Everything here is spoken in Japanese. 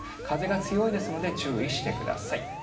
風が強いですので注意してください。